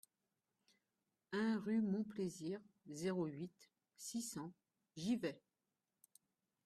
un rue Mon Plaisir, zéro huit, six cents, Givet